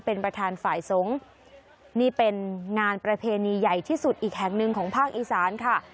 เป็นประธานฝ่ายสงฆ์นี่เป็นงานประเพณีใหญ่ที่สุดอีกแห่งหนึ่งของภาคอีสานค่ะ